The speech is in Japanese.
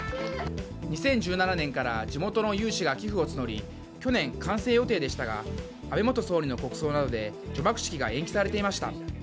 ２０１７年から地元の有志が寄付を募り去年、完成予定でしたが安倍元総理の国葬などで除幕式が延期されていました。